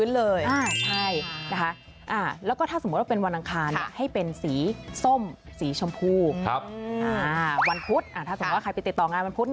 แล้วก็ถ้าสมมุติว่าเป็นวันอังคารให้เป็นสีส้มสีชมพูวันพุธถ้าสมมุติว่าใครไปติดต่องานวันพุธ